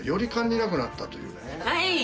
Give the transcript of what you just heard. はい！